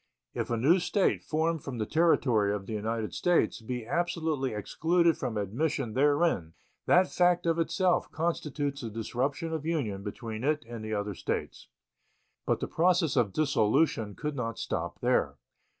If a new State, formed from the territory of the United States, be absolutely excluded from admission therein, that fact of itself constitutes the disruption of union between it and the other States. But the process of dissolution could not stop there.